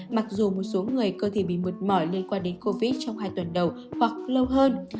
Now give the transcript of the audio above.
mặc dù một số người cơ thể bị mệt mỏi liên quan đến covid trong hai tuần đầu hoặc lâu hơn